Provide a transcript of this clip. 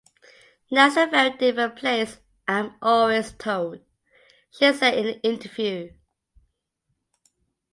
"Now it's a very different place, I'm always told," she said in the interview.